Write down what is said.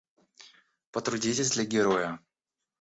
Потрудитесь для героя!